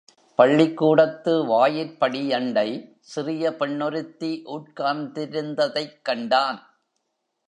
பள்ளிக்கூடத்து வாயிற்படியண்டை சிறிய பெண் ஒருத்தி உட்கார்ந்திருந்ததைக் கண்டான்.